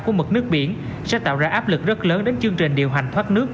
của mực nước biển sẽ tạo ra áp lực rất lớn đến chương trình điều hành thoát nước